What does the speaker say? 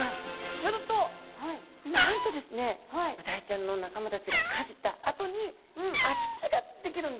するとなんとですねブダイちゃんの仲間たちがかじったあとに空き地？